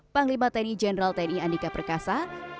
panglima tni jenderal tni andika perkasa